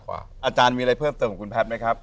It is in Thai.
อาจารย์มีอะไรเพิ่มเติมของคุณแพทย์ไหมครับ